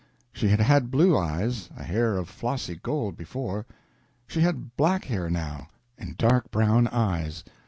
She had blue eyes, a hair of flossy gold before; she had black hair now, and dark brown eyes.